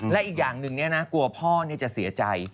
และอีกอย่างหนึ่งนี้นะกลัวพ่อเนี่ยจะเสียใจ